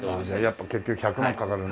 やっぱ結局１００万かかるな。